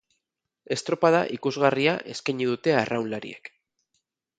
Estropada ikusgarria eskaini dute arraunlariek.